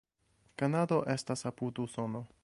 Kanado estas apud Usono.